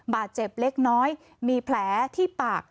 บาดเจ็บเล็กน้อยมีแผลที่ปาก